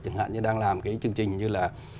chẳng hạn như đang làm cái chương trình như là